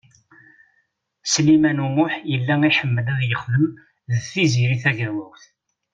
Sliman U Muḥ yella iḥemmel ad yexdem d Tiziri Tagawawt.